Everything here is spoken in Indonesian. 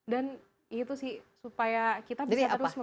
dan itu sih supaya kita bisa terus membantu